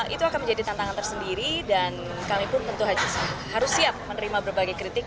itu akan menjadi tantangan tersendiri dan kami pun tentu saja harus siap menerima berbagai kritik